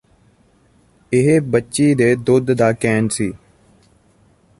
ਇਹ ਬੱਚੀ ਦੇ ਦੁੱਧ ਦਾ ਕੈਨ ਸੀ